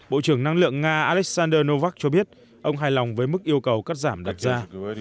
bộ trưởng năng lượng nga alexander novak cho biết ông hài lòng với mức yêu cầu cắt giảm đặt ra